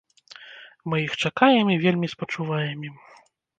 Мы іх чакаем і вельмі спачуваем ім.